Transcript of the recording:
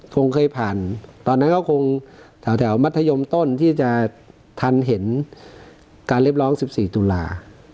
คงเคยผ่านตอนนั้นก็คงแถวมัธยมต้นที่จะทันเห็นการเรียกร้อง๑๔ตุลา